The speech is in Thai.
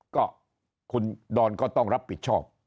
ก็คุณดอนก็ต้องรับผิดชอบ